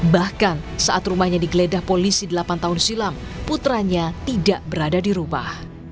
bahkan saat rumahnya digeledah polisi delapan tahun silam putranya tidak berada di rumah